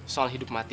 soal hidup mati